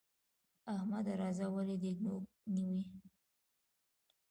احمده! راځه ولې دې نوک نيو؟